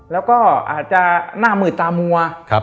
แล้วก็อาจจะหน้ามืดตามัว